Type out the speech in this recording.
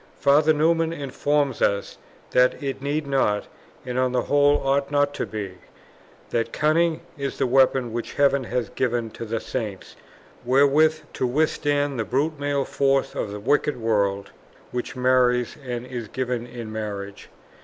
Father Newman informs us that it need not, and on the whole ought not to be; that cunning is the weapon which heaven has given to the Saints wherewith to withstand the brute male force of the wicked world which marries and is given in marriage.